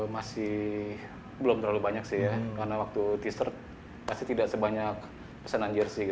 masih belum terlalu banyak sih ya karena waktu t shirt pasti tidak sebanyak pesanan jersi